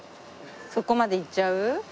そこまでいっちゃう？